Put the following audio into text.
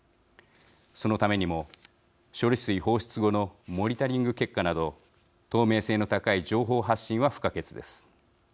そのためにも、処理水放出後のモニタリング結果など透明性の高い情報発信は不可欠です。